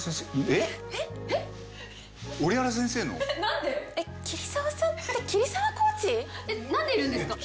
えっなんでいるんですか？